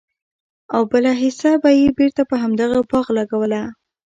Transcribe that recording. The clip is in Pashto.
او بله حيصه به ئي بيرته په همدغه باغ لګوله!!